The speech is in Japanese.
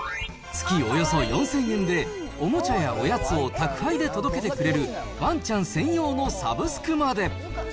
月およそ４０００円で、おもちゃやおやつを宅配で届けてくれるワンちゃん専用のサブスクまで。